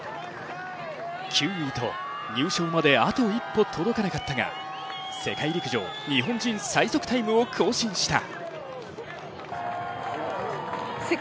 ９位と入賞まであと一歩届かなかったが世界陸上日本人最速タイムを更新した。